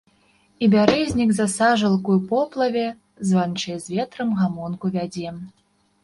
І бярэзнік за сажалкаю ў поплаве званчэй з ветрам гамонку вядзе.